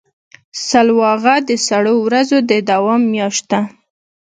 سلواغه د سړو ورځو د دوام میاشت ده.